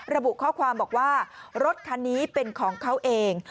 ระบุข้อความบอกว่ารถคันนี้เป็นของเขาเอง